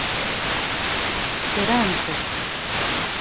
Ssekran-t.